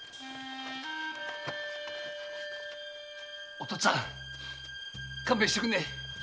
お父っつぁん勘弁してくれ！